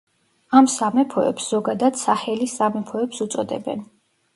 ამ სამეფოებს ზოგადად საჰელის სამეფოებს უწოდებენ.